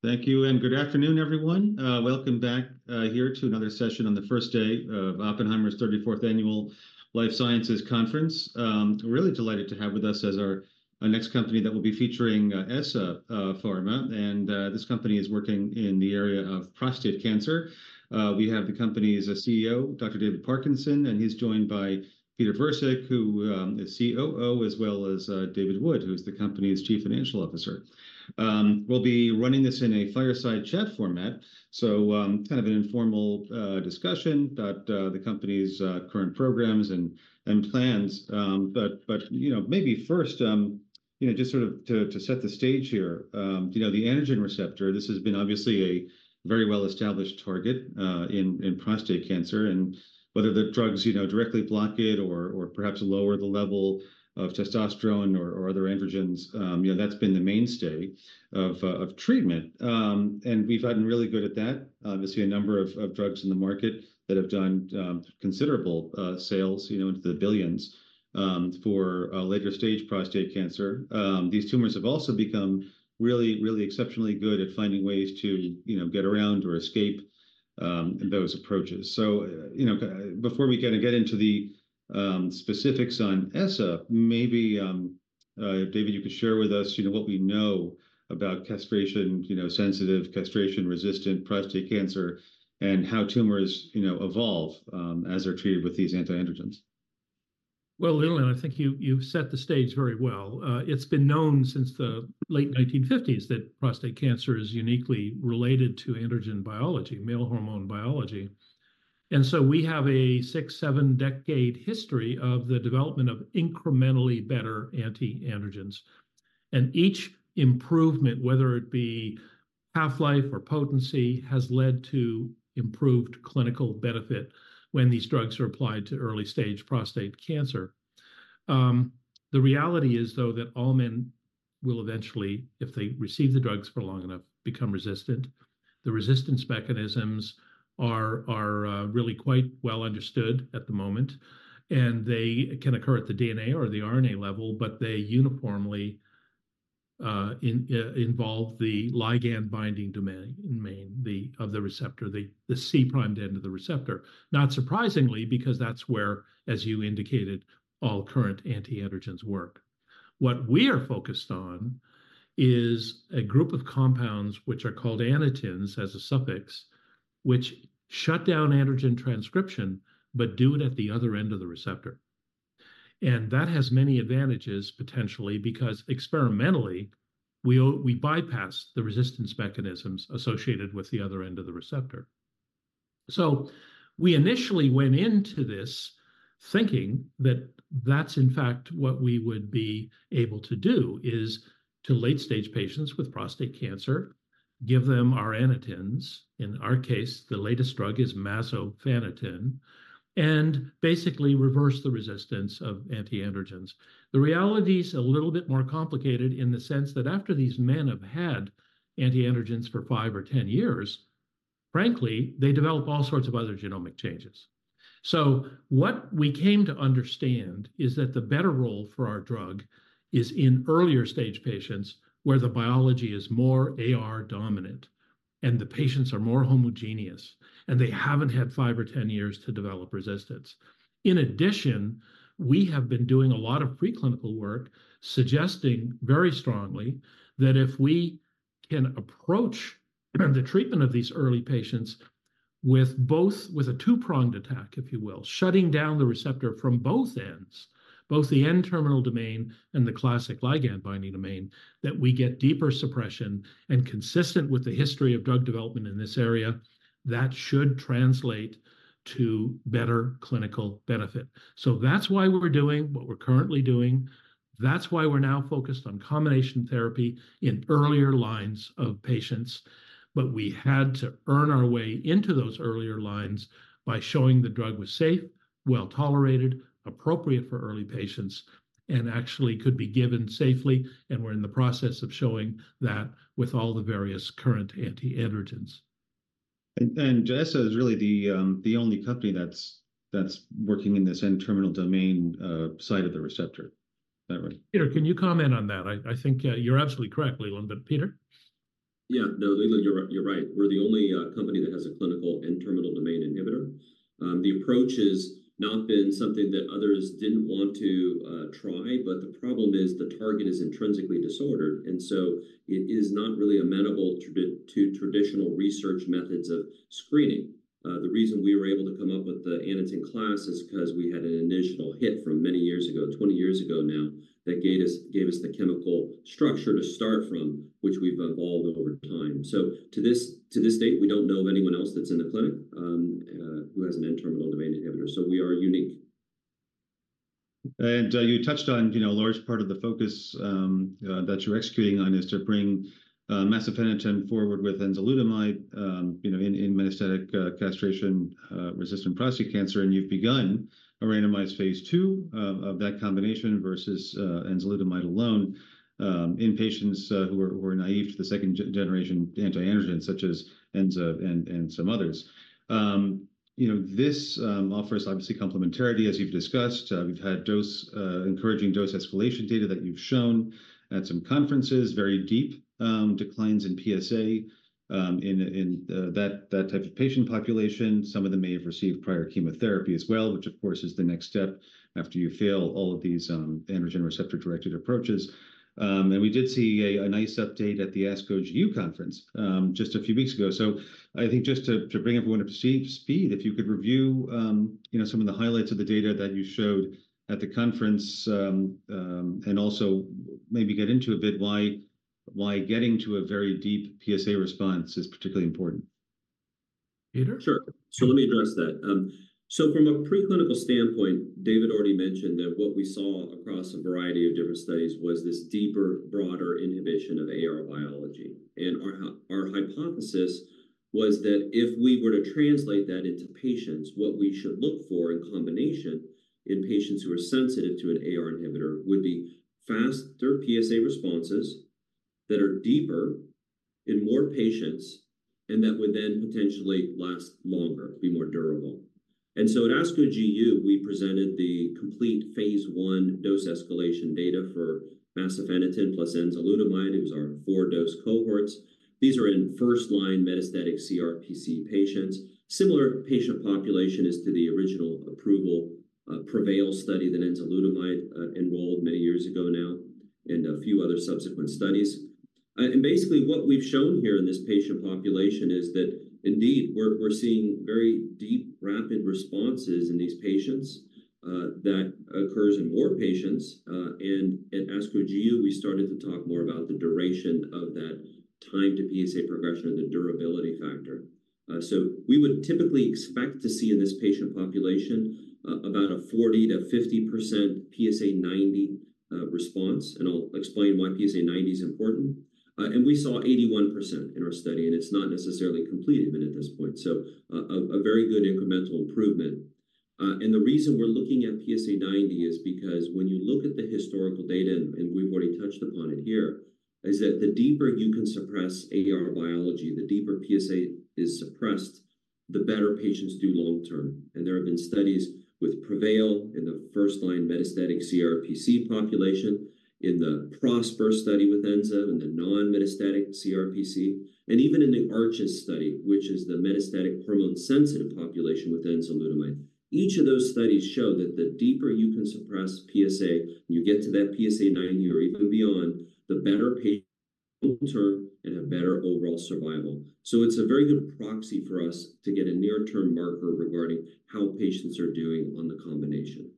Thank you, and good afternoon, everyone. Welcome back here to another session on the first day of Oppenheimer's 34th Annual Life Sciences Conference. Really delighted to have with us as our next company that will be featuring ESSA Pharma, and this company is working in the area of prostate cancer. We have the company's CEO, Dr. David Parkinson, and he's joined by Peter Virsik, who is COO, as well as David Wood, who's the company's Chief Financial Officer. We'll be running this in a fireside chat format, so kind of an informal discussion about the company's current programs and plans. But maybe first, just sort of to set the stage here, the androgen receptor, this has been obviously a very well-established target in prostate cancer, and whether the drugs directly block it or perhaps lower the level of testosterone or other androgens, that's been the mainstay of treatment. And we've gotten really good at that. We see a number of drugs in the market that have done considerable sales into the $ billions for later-stage prostate cancer. These tumors have also become really, really exceptionally good at finding ways to get around or escape those approaches. So before we kind of get into the specifics on ESSA, maybe, David, you could share with us what we know about sensitive, castration-resistant prostate cancer and how tumors evolve as they're treated with these antiandrogens. Well, Leland I think you've set the stage very well. It's been known since the late 1950s that prostate cancer is uniquely related to androgen biology, male hormone biology. So we have a six, 7-decade history of the development of incrementally better antiandrogens. Each improvement, whether it be half-life or potency, has led to improved clinical benefit when these drugs are applied to early-stage prostate cancer. The reality is, though, that all men will eventually, if they receive the drugs for long enough, become resistant. The resistance mechanisms are really quite well understood at the moment, and they can occur at the DNA or the RNA level, but they uniformly involve the ligand binding domain of the receptor, the C-terminal end of the receptor, not surprisingly, because that's where, as you indicated, all current antiandrogens work. What we are focused on is a group of compounds which are called Anitens as a suffix, which shut down androgen transcription but do it at the other end of the receptor. That has many advantages, potentially, because experimentally, we bypass the resistance mechanisms associated with the other end of the receptor. We initially went into this thinking that that's, in fact, what we would be able to do is, to late-stage patients with prostate cancer, give them our Anitens; in our case, the latest drug is masofaniten, and basically reverse the resistance of antiandrogens. The reality is a little bit more complicated in the sense that after these men have had antiandrogens for five or 10 years, frankly, they develop all sorts of other genomic changes. So what we came to understand is that the better role for our drug is in earlier-stage patients where the biology is more AR dominant and the patients are more homogeneous and they haven't had five or 10 years to develop resistance. In addition, we have been doing a lot of preclinical work suggesting very strongly that if we can approach the treatment of these early patients with a 2-pronged attack, if you will, shutting down the receptor from both ends, both the N-terminal domain and the classic ligand binding domain, that we get deeper suppression and consistent with the history of drug development in this area, that should translate to better clinical benefit. So that's why we're doing what we're currently doing. That's why we're now focused on combination therapy in earlier lines of patients. But we had to earn our way into those earlier lines by showing the drug was safe, well tolerated, appropriate for early patients, and actually could be given safely. And we're in the process of showing that with all the various current antiandrogens. ESSA is really the only company that's working in this N-terminal domain side of the receptor, is that right? Peter, can you comment on that? I think you're absolutely correct, Leland. But Peter? Yeah, no, Leland, you're right. We're the only company that has a clinical N-terminal domain inhibitor. The approach has not been something that others didn't want to try, but the problem is the target is intrinsically disordered, and so it is not really amenable to traditional research methods of screening. The reason we were able to come up with the Aniten class is because we had an initial hit from many years ago, 20 years ago now, that gave us the chemical structure to start from, which we've evolved over time. So to this date, we don't know of anyone else that's in the clinic who has an N-terminal domain inhibitor. So we are unique. You touched on a large part of the focus that you're executing on is to bring masofaniten forward with enzalutamide in metastatic castration-resistant prostate cancer. You've begun a randomized phase II of that combination versus enzalutamide alone in patients who are naive to the second-generation antiandrogens, such as enzalutamide and some others. This offers obviously complementarity, as you've discussed. We've had encouraging dose escalation data that you've shown at some conferences, very deep declines in PSA in that type of patient population. Some of them may have received prior chemotherapy as well, which, of course, is the next step after you fail all of these androgen receptor-directed approaches. We did see a nice update at the ASCO GU conference just a few weeks ago. I think just to bring everyone up to speed, if you could review some of the highlights of the data that you showed at the conference and also maybe get into a bit why getting to a very deep PSA response is particularly important. Peter? Sure. So let me address that. So from a preclinical standpoint, David already mentioned that what we saw across a variety of different studies was this deeper, broader inhibition of AR biology. And our hypothesis was that if we were to translate that into patients, what we should look for in combination in patients who are sensitive to an AR inhibitor would be faster PSA responses that are deeper in more patients and that would then potentially last longer, be more durable. And so at ASCO GU, we presented the complete phase I dose escalation data for masofaniten plus enzalutamide. It was our 4-dose cohorts. These are in first-line metastatic CRPC patients. Similar patient population as to the original approval PREVAIL study that enzalutamide enrolled many years ago now and a few other subsequent studies. Basically, what we've shown here in this patient population is that indeed, we're seeing very deep, rapid responses in these patients. That occurs in more patients. At ASCO GU, we started to talk more about the duration of that time to PSA progression and the durability factor. So we would typically expect to see in this patient population about a 40%-50% PSA 90 response. I'll explain why PSA 90 is important. We saw 81% in our study, and it's not necessarily completed at this point. So a very good incremental improvement. The reason we're looking at PSA 90 is because when you look at the historical data, and we've already touched upon it here, is that the deeper you can suppress AR biology, the deeper PSA is suppressed, the better patients do long term. There have been studies with PREVAIL in the first-line metastatic CRPC population, in the PROSPER study with enzalutamide, in the non-metastatic CRPC, and even in the ARCHES study, which is the metastatic hormone-sensitive population with enzalutamide. Each of those studies show that the deeper you can suppress PSA, you get to that PSA90 or even beyond, the better patients long term and have better overall survival. So it's a very good proxy for us to get a near-term marker regarding how patients are doing on the combination.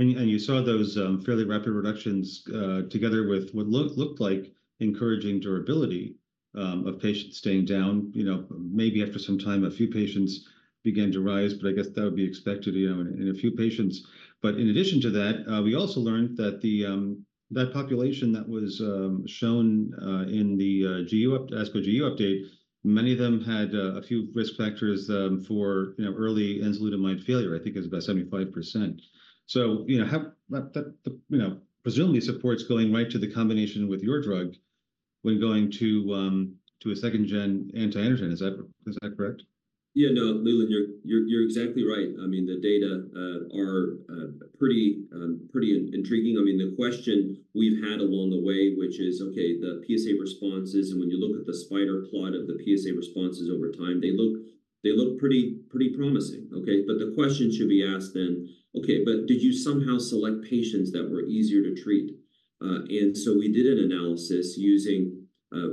And you saw those fairly rapid reductions together with what looked like encouraging durability of patients staying down. Maybe after some time, a few patients began to rise, but I guess that would be expected in a few patients. But in addition to that, we also learned that that population that was shown in the ASCO GU update, many of them had a few risk factors for early enzalutamide failure, I think it was about 75%. So that presumably supports going right to the combination with your drug when going to a second-gen antiandrogen. Is that correct? Yeah, no, Leland, you're exactly right. I mean, the data are pretty intriguing. I mean, the question we've had along the way, which is, okay, the PSA responses, and when you look at the spider plot of the PSA responses over time, they look pretty promising. Okay? But the question should be asked then, okay, but did you somehow select patients that were easier to treat? And so we did an analysis using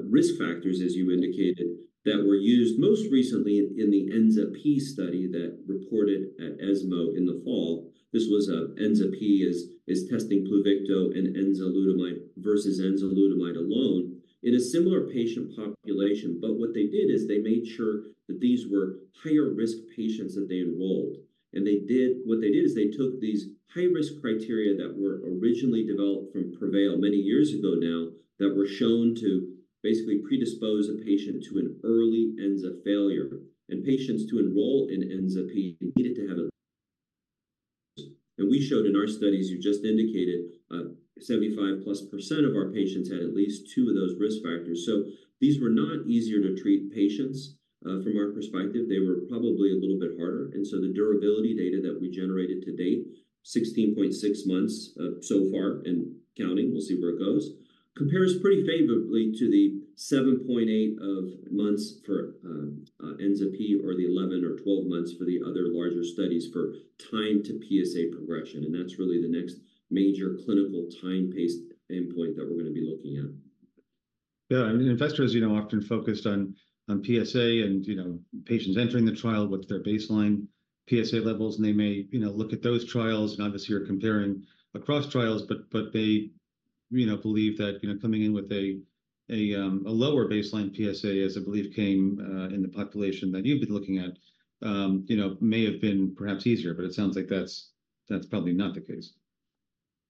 risk factors, as you indicated, that were used most recently in the ENZA-p study that reported at ESMO in the fall. This was ENZA-p is testing and enzalutamide versus enzalutamide alone in a similar patient population. But what they did is they made sure that these were higher-risk patients that they enrolled. What they did is they took these high-risk criteria that were originally developed from PREVAIL many years ago now that were shown to basically predispose a patient to an early ENZA failure. Patients to enroll in ENZA-p needed to have at least. And we showed in our studies, you just indicated, 75%+ of our patients had at least two of those risk factors. So these were not easier to treat patients, from our perspective. They were probably a little bit harder. And so the durability data that we generated to date, 16.6 months so far and counting, we'll see where it goes, compares pretty favorably to the 7.8 months for ENZA-p or the 11 or 12 months for the other larger studies for time to PSA progression. And that's really the next major clinical time-paced endpoint that we're going to be looking at. Yeah. And investors, you know, often focus on PSA and patients entering the trial—what's their baseline PSA levels. They may look at those trials. Obviously, you're comparing across trials, but they believe that coming in with a lower baseline PSA, as I believe came in the population that you've been looking at, may have been perhaps easier. It sounds like that's probably not the case.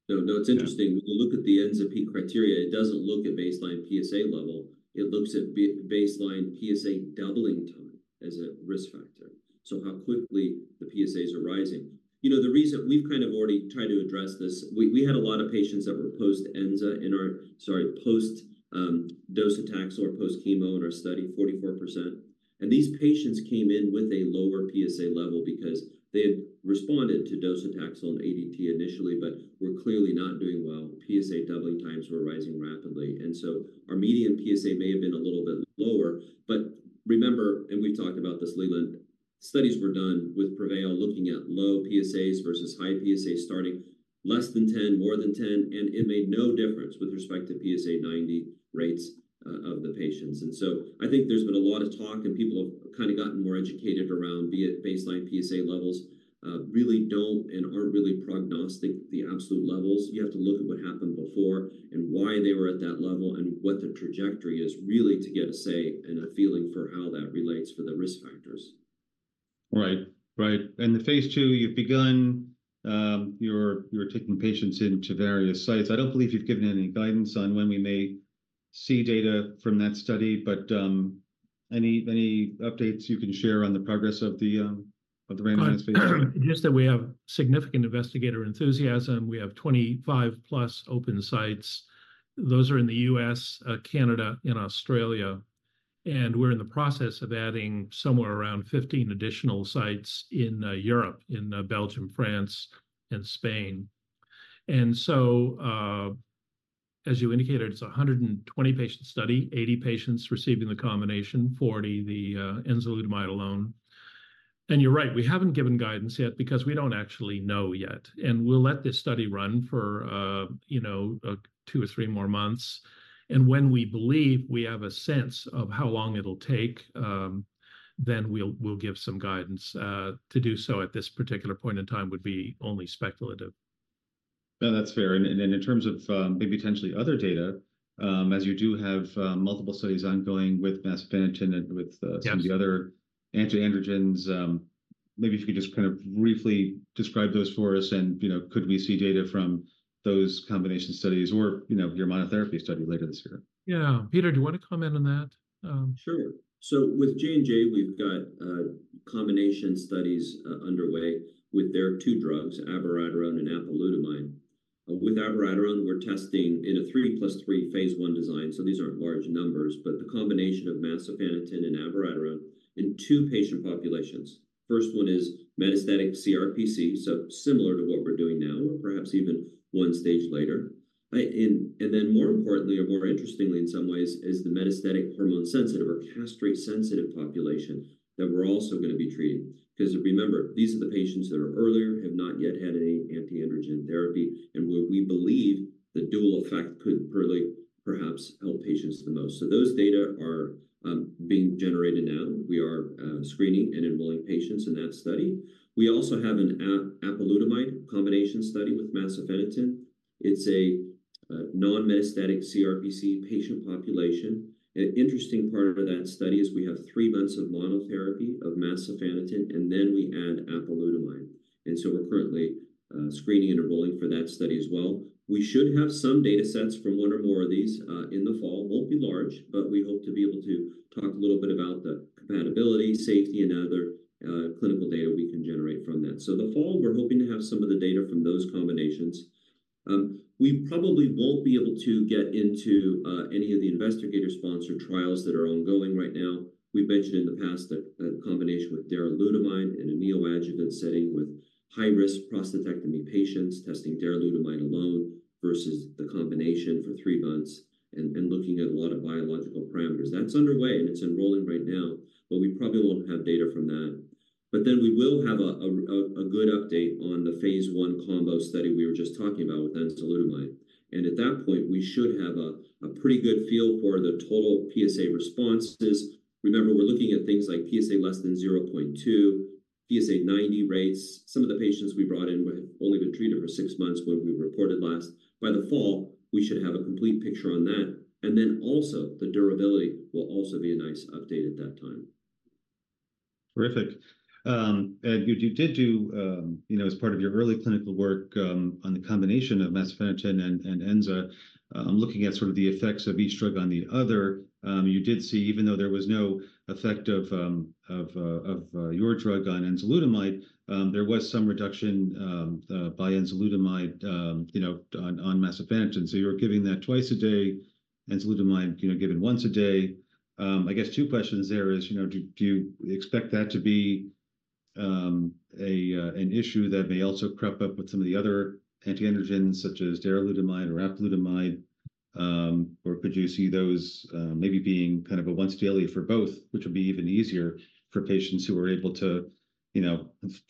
No, no, it's interesting. When you look at the ENZA-p criteria, it doesn't look at baseline PSA level. It looks at baseline PSA doubling time as a risk factor, so how quickly the PSAs are rising. The reason we've kind of already tried to address this, we had a lot of patients that were post-ENZA in our sorry, post-docetaxel or post-chemo in our study, 44%. And these patients came in with a lower PSA level because they had responded to docetaxel on ADT initially, but were clearly not doing well. PSA doubling times were rising rapidly. And so our median PSA may have been a little bit lower. But remember, and we've talked about this, Leland, studies were done with PREVAIL looking at low PSAs versus high PSAs starting less than 10, more than 10, and it made no difference with respect to PSA 90 rates of the patients. And so I think there's been a lot of talk, and people have kind of gotten more educated around, be it baseline PSA levels, really don't and aren't really prognostic the absolute levels. You have to look at what happened before and why they were at that level and what the trajectory is, really, to get a say and a feeling for how that relates for the risk factors. Right, right. And the phase II, you've begun. You're taking patients into various sites. I don't believe you've given any guidance on when we may see data from that study, but any updates you can share on the progress of the randomized phase? Just that we have significant investigator enthusiasm. We have 25+ open sites. Those are in the U.S., Canada, and Australia. And we're in the process of adding somewhere around 15 additional sites in Europe, in Belgium, France, and Spain. And so, as you indicated, it's a 120-patient study, 80 patients receiving the combination, 40 the enzalutamide alone. And you're right, we haven't given guidance yet because we don't actually know yet. And we'll let this study run for two or three more months. And when we believe we have a sense of how long it'll take, then we'll give some guidance. To do so at this particular point in time would be only speculative. Yeah, that's fair. And in terms of maybe potentially other data, as you do have multiple studies ongoing with masofaniten and with some of the other antiandrogens, maybe if you could just kind of briefly describe those for us and could we see data from those combination studies or your monotherapy study later this year? Yeah. Peter, do you want to comment on that? Sure. So with J&J, we've got combination studies underway with their two drugs, abiraterone and apalutamide. With abiraterone, we're testing in a 3+3 phase I design. So these aren't large numbers, but the combination of masofaniten and abiraterone in two-patient populations. First one is metastatic CRPC, so similar to what we're doing now or perhaps even one stage later. And then more importantly or more interestingly in some ways is the metastatic hormone-sensitive or castrate-sensitive population that we're also going to be treating. Because remember, these are the patients that are earlier, have not yet had any antiandrogen therapy, and where we believe the dual effect could perhaps help patients the most. So those data are being generated now. We are screening and enrolling patients in that study. We also have an apalutamide combination study with masofaniten. It's a non-metastatic CRPC patient population. An interesting part of that study is we have three months of monotherapy of masofaniten, and then we add apalutamide. So we're currently screening and enrolling for that study as well. We should have some datasets from one or more of these in the fall. Won't be large, but we hope to be able to talk a little bit about the compatibility, safety, and other clinical data we can generate from that. So the fall, we're hoping to have some of the data from those combinations. We probably won't be able to get into any of the investigator-sponsored trials that are ongoing right now. We've mentioned in the past the combination with darolutamide in a neoadjuvant setting with high-risk prostatectomy patients testing darolutamide alone versus the combination for three months and looking at a lot of biological parameters. That's underway, and it's enrolling right now, but we probably won't have data from that. But then we will have a good update on the phase I combo study we were just talking about with enzalutamide. And at that point, we should have a pretty good feel for the total PSA responses. Remember, we're looking at things like PSA less than 0.2, PSA 90 rates. Some of the patients we brought in have only been treated for six months when we reported last. By the fall, we should have a complete picture on that. And then also, the durability will also be a nice update at that time. Terrific. And you did do, as part of your early clinical work on the combination of masofaniten and enzalutamide, looking at sort of the effects of each drug on the other. You did see, even though there was no effect of your drug on enzalutamide, there was some reduction by enzalutamide on masofaniten. So you were giving that twice a day, enzalutamide given once a day. I guess two questions there is, do you expect that to be an issue that may also creep up with some of the other antiandrogens such as darolutamide or apalutamide? Or could you see those maybe being kind of a once daily for both, which would be even easier for patients who are able to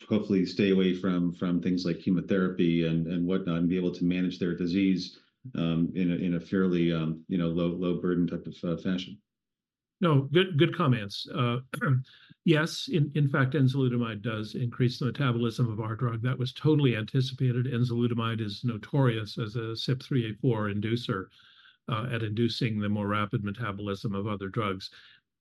hopefully stay away from things like chemotherapy and whatnot and be able to manage their disease in a fairly low-burden type of fashion? No, good comments. Yes, in fact, enzalutamide does increase the metabolism of our drug. That was totally anticipated. Enzalutamide is notorious as a CYP3A4 inducer at inducing the more rapid metabolism of other drugs.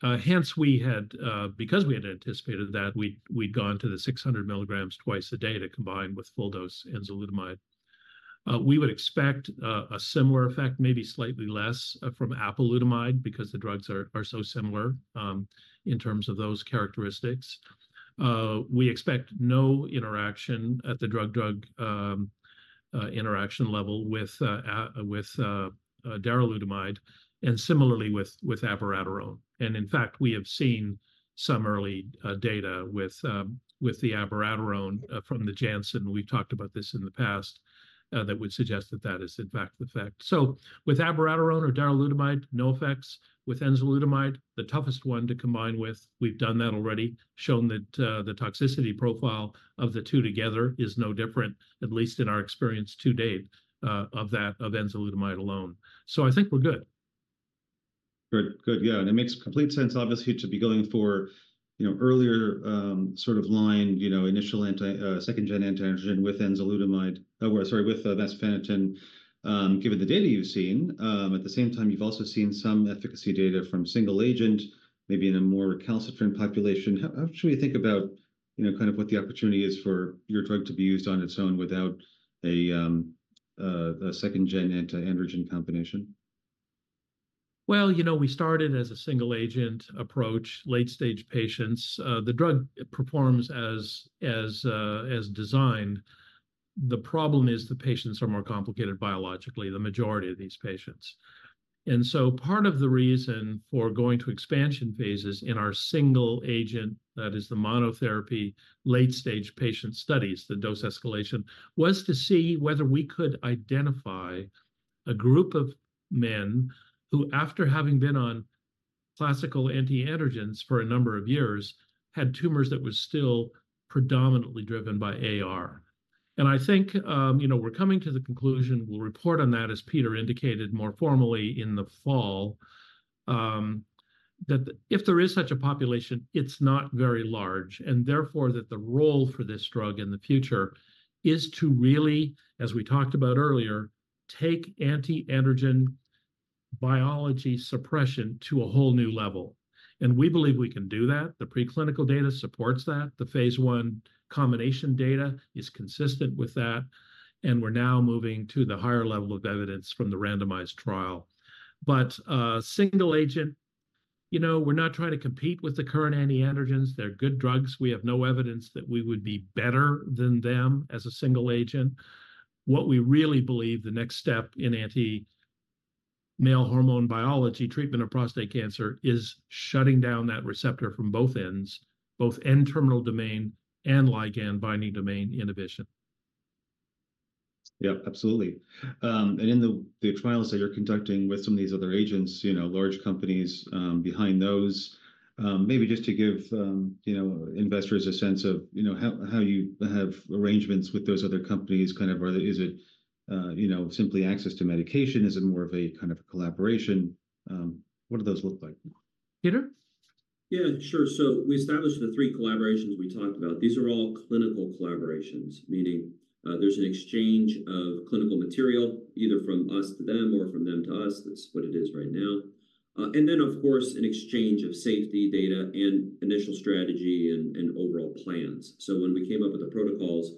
Hence, because we had anticipated that, we'd gone to the 600 milligrams twice a day to combine with full-dose enzalutamide. We would expect a similar effect, maybe slightly less, from apalutamide because the drugs are so similar in terms of those characteristics. We expect no interaction at the drug-drug interaction level with darolutamide and similarly with abiraterone. And in fact, we have seen some early data with the abiraterone from the Janssen. We've talked about this in the past that would suggest that that is, in fact, the effect. So with abiraterone or darolutamide, no effects. With enzalutamide, the toughest one to combine with. We've done that already, shown that the toxicity profile of the two together is no different, at least in our experience to date, of enzalutamide alone. So I think we're good. Good, good. Yeah. And it makes complete sense, obviously, to be going for earlier sort of line, initial second-gen antiandrogen with enzalutamide or sorry, with masofaniten, given the data you've seen. At the same time, you've also seen some efficacy data from single agent, maybe in a more recalcitrant population. How should we think about kind of what the opportunity is for your drug to be used on its own without a second-gen antiandrogen combination? Well, we started as a single-agent approach, late-stage patients. The drug performs as designed. The problem is the patients are more complicated biologically, the majority of these patients. And so part of the reason for going to expansion phases in our single agent, that is, the monotherapy late-stage patient studies, the dose escalation, was to see whether we could identify a group of men who, after having been on classical antiandrogens for a number of years, had tumors that were still predominantly driven by AR. And I think we're coming to the conclusion we'll report on that, as Peter indicated more formally in the fall, that if there is such a population, it's not very large, and therefore that the role for this drug in the future is to really, as we talked about earlier, take antiandrogen biology suppression to a whole new level. We believe we can do that. The preclinical data supports that. The phase I combination data is consistent with that. We're now moving to the higher level of evidence from the randomized trial. But single agent, we're not trying to compete with the current antiandrogens. They're good drugs. We have no evidence that we would be better than them as a single agent. What we really believe the next step in anti-androgen biology treatment of prostate cancer is shutting down that receptor from both ends, both N-terminal domain and ligand-binding domain inhibition. Yeah, absolutely. And in the trials that you're conducting with some of these other agents, large companies behind those, maybe just to give investors a sense of how you have arrangements with those other companies, kind of is it simply access to medication? Is it more of a kind of a collaboration? What do those look like? Peter? Yeah, sure. So we established the three collaborations we talked about. These are all clinical collaborations, meaning there's an exchange of clinical material, either from us to them or from them to us. That's what it is right now. And then, of course, an exchange of safety data and initial strategy and overall plans. So when we came up with the protocols,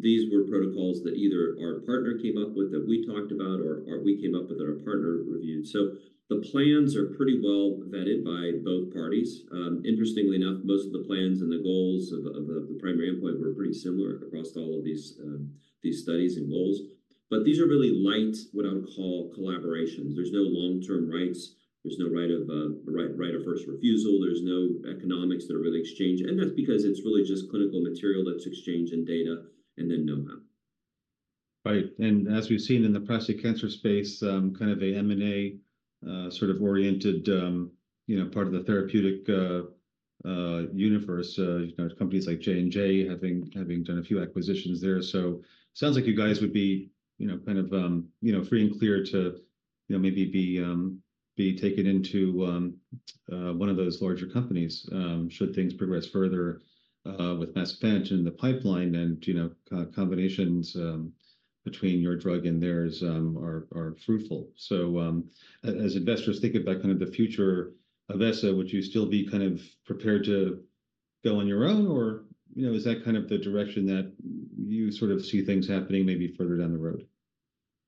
these were protocols that either our partner came up with that we talked about or we came up with that our partner reviewed. So the plans are pretty well vetted by both parties. Interestingly enough, most of the plans and the goals of the primary endpoint were pretty similar across all of these studies and goals. But these are really light, what I would call, collaborations. There's no long-term rights. There's no right of first refusal. There's no economics that are really exchanged. That's because it's really just clinical material that's exchanged and data and then know-how. Right. And as we've seen in the prostate cancer space, kind of a M&A sort of oriented part of the therapeutic universe, companies like J&J having done a few acquisitions there. So it sounds like you guys would be kind of free and clear to maybe be taken into one of those larger companies should things progress further with masofaniten in the pipeline and combinations between your drug and theirs are fruitful. So as investors, think about kind of the future of ESSA, would you still be kind of prepared to go on your own, or is that kind of the direction that you sort of see things happening maybe further down the road?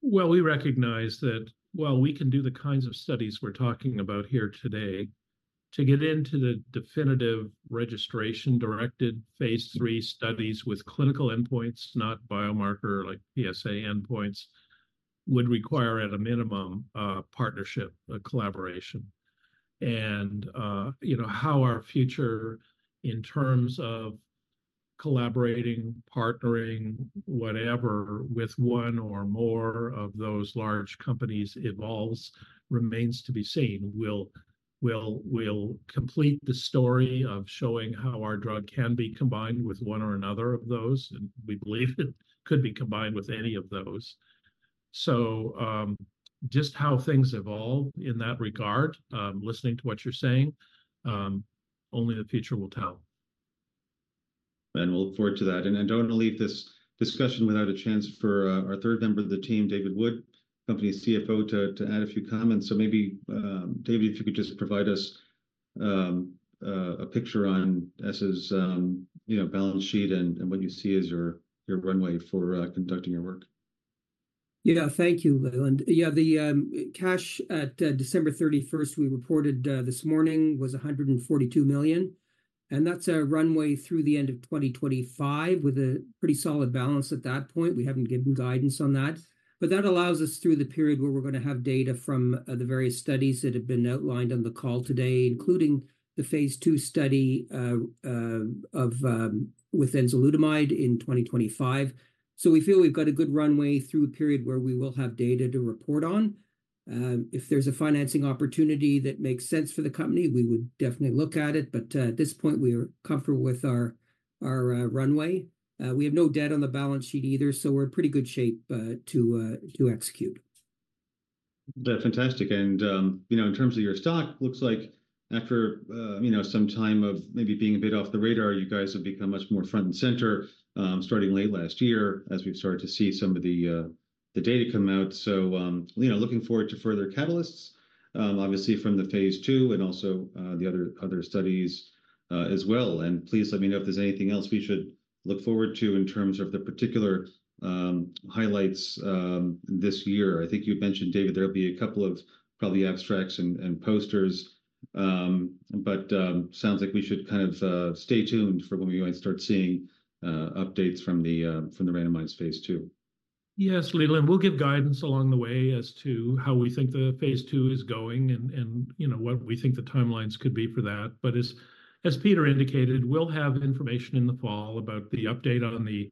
Well, we recognize that while we can do the kinds of studies we're talking about here today, to get into the definitive registration-directed phase III studies with clinical endpoints, not biomarker-like PSA endpoints, would require, at a minimum, partnership, a collaboration. And how our future in terms of collaborating, partnering, whatever, with one or more of those large companies evolves remains to be seen. We'll complete the story of showing how our drug can be combined with one or another of those. And we believe it could be combined with any of those. So just how things evolve in that regard, listening to what you're saying, only the future will tell. We'll look forward to that. I don't want to leave this discussion without a chance for our third member of the team, David Wood, Company CFO, to add a few comments. Maybe, David, if you could just provide us a picture on ESSA's balance sheet and what you see as your runway for conducting your work. Yeah, thank you, Leland. Yeah, the cash at December 31st we reported this morning was $142 million. And that's a runway through the end of 2025 with a pretty solid balance at that point. We haven't given guidance on that. But that allows us through the period where we're going to have data from the various studies that have been outlined on the call today, including the phase II study with enzalutamide in 2025. So we feel we've got a good runway through a period where we will have data to report on. If there's a financing opportunity that makes sense for the company, we would definitely look at it. But at this point, we are comfortable with our runway. We have no debt on the balance sheet either, so we're in pretty good shape to execute. Fantastic. In terms of your stock, it looks like after some time of maybe being a bit off the radar, you guys have become much more front and center starting late last year as we've started to see some of the data come out. Looking forward to further catalysts, obviously, from the phase II and also the other studies as well. Please let me know if there's anything else we should look forward to in terms of the particular highlights this year. I think you mentioned, David, there'll be a couple of probably abstracts and posters. Sounds like we should kind of stay tuned for when we might start seeing updates from the randomized phase II. Yes, Leland. We'll give guidance along the way as to how we think the phase II is going and what we think the timelines could be for that. But as Peter indicated, we'll have information in the fall about the update on the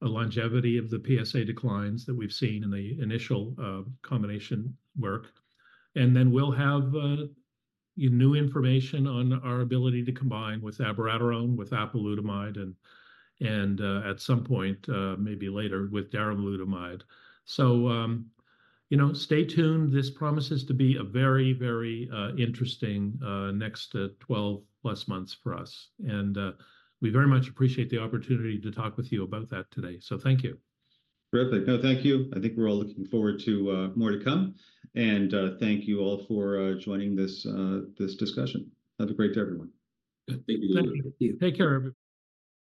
longevity of the PSA declines that we've seen in the initial combination work. And then we'll have new information on our ability to combine with abiraterone, with apalutamide, and at some point maybe later with darolutamide. So stay tuned. This promises to be a very, very interesting next 12+ months for us. And we very much appreciate the opportunity to talk with you about that today. So thank you. Terrific. No, thank you. I think we're all looking forward to more to come. Thank you all for joining this discussion. Have a great day, everyone. Thank you. Thank you. Take care, everyone.